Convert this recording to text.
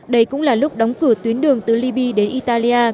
đây cũng là lúc đóng cửa tuyến đường từ liby đến italia